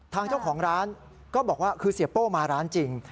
ทางเจ้าของร้านก็บอกว่าคือเสียโป้มาร้านจริง